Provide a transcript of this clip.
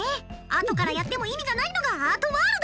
後からやっても意味がないのがアートワールド！